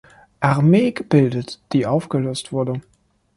Armee gebildet, die aufgelöst wurde.